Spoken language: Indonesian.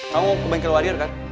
kamu ke bengkel warier kak